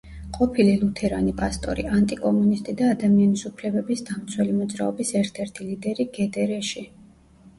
ყოფილი ლუთერანი პასტორი, ანტიკომუნისტი და ადამიანის უფლებების დამცველი მოძრაობის ერთ-ერთი ლიდერი გდრ-ში.